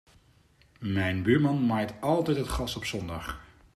Mijn buurman maait altijd het gras op zondag.